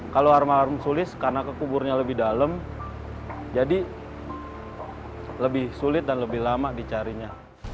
kalau harma harum sulis karena kekuburnya lebih dalam jadi lebih sulit dan lebih lama dicarinya